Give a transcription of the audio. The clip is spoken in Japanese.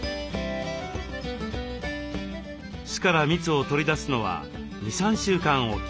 巣から蜜を取り出すのは２３週間おき。